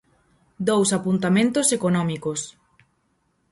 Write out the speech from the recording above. Dous apuntamentos económicos.